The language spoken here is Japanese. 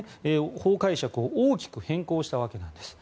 法解釈を大きく変更したわけです。